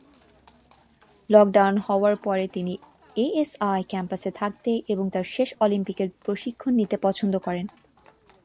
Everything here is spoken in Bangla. লকডাউন হওয়ার পরে তিনি এএসআই ক্যাম্পাসে থাকতে এবং তার শেষ অলিম্পিকের প্রশিক্ষণ নিতে পছন্দ করেন।